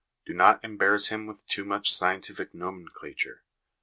Do not embarrass him with too much scientific nomenclature.